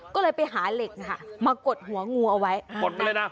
ก็เลยไปหาเหล็กนะคะมากดหัวงูเอาไว้กดไปเลยนะ